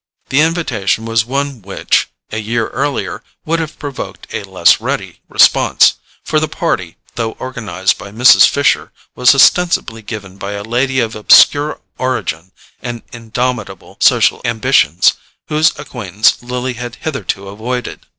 The invitation was one which, a year earlier, would have provoked a less ready response, for the party, though organized by Mrs. Fisher, was ostensibly given by a lady of obscure origin and indomitable social ambitions, whose acquaintance Lily had hitherto avoided.